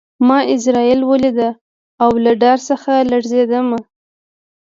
ما عزرائیل ولید او له ډار څخه لړزېدم